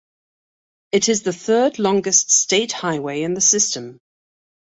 It is the third-longest state highway in the system.